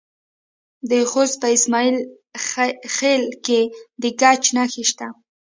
د خوست په اسماعیل خیل کې د ګچ نښې شته.